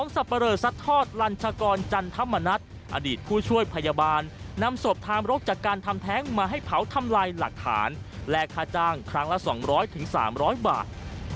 สับปะเลอซัดทอดลัญชากรจันธรรมนัฏอดีตผู้ช่วยพยาบาลนำศพทามรกจากการทำแท้งมาให้เผาทำลายหลักฐานแลกค่าจ้างครั้งละ๒๐๐๓๐๐บาท